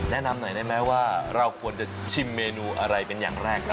แนะนำหน่อยได้ไหมว่าเราควรจะชิมเมนูอะไรเป็นอย่างแรก